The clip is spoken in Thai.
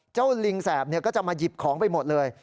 ลิงแสบก็จะมาหยิบของไปหมดเลย